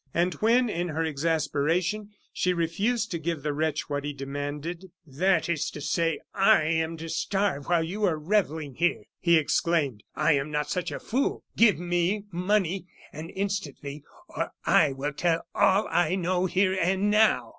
And when, in her exasperation, she refused to give the wretch what he demanded: "That is to say, I am to starve while you are revelling here!" he exclaimed. "I am not such a fool. Give me money, and instantly, or I will tell all I know here and now!"